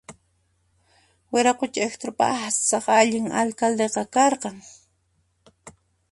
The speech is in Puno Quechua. Wiraqucha Hector pasaq allin alcaldeqa karqan